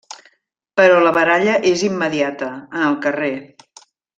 Però la baralla és immediata, en el carrer.